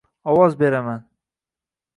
ovoz beraman.